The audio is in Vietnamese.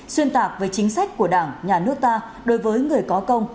xuyên tạc về chính sách của đảng nhà nước ta đối với người có công